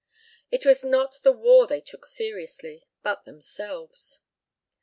It was not the war they took seriously but themselves.